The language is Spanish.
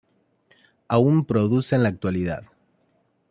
Aún produce en la actualidad.